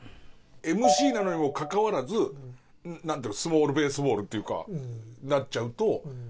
ＭＣなのにもかかわらずスモールベースボールっていうかなっちゃうと。